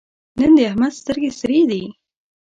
نن د احمد سترګې سرې دي.